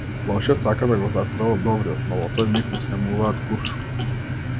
Лошиот сака да го застрела добриот, но во тој миг му снемуваат куршуми.